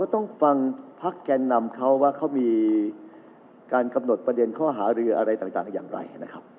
ต้องฟังพักแกนนำเขาว่าเขามีการกำหนดประเด็นข้อหารืออะไรต่างอย่างไรนะครับ